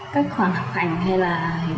các khoản học hành hay là